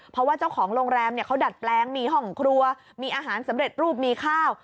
เพราะว่าเจ้าของโรงแรมเขาดัดแปลงมีห้องครัวมีอาหารสำเร็จรูปมีข้าว